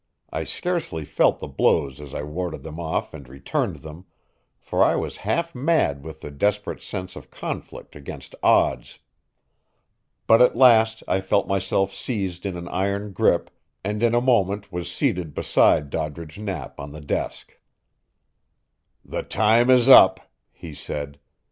I scarcely felt their blows as I warded them off and returned them, for I was half mad with the desperate sense of conflict against odds. But at last I felt myself seized in an iron grip, and in a moment was seated beside Doddridge Knapp on the desk. "The time is up," he said.